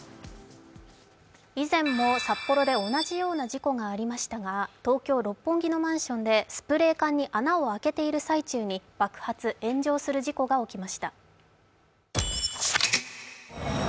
以前も札幌で同じような事故がありましたが東京・六本木のマンションでスプレー缶に穴を開けている最中に爆発・炎上する事故が起きました。